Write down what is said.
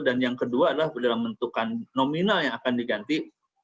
dan yang kedua adalah dalam bentukan nominal yang akan diganti